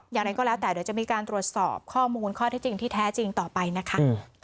อย่างไรก็แล้วแต่เดี๋ยวจะมีการตรวจสอบข้อมูลข้อที่จริงที่แท้จริงต่อไปนะคะ